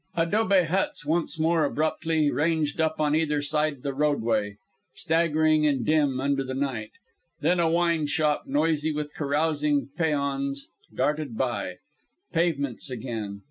Dobe huts once more abruptly ranged up on either side the roadway, staggering and dim under the night. Then a wine shop noisy with carousing peons darted by. Pavements again.